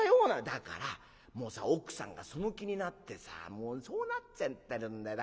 「だからもう奥さんがその気になってさそうなっちゃってるんだよ。